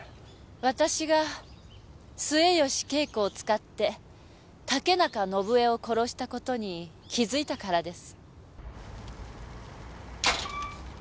私が末吉恵子を使って竹中伸枝を殺した事に気づいたからです。